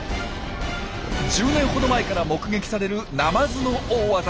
１０年ほど前から目撃されるナマズの大ワザ。